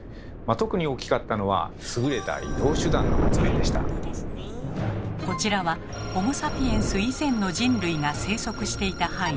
特に大きかったのはこちらはホモ・サピエンス以前の人類が生息していた範囲。